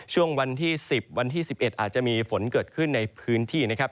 ช่วงวันที่๑๐วันที่๑๑อาจจะมีฝนเกิดขึ้นในพื้นที่นะครับ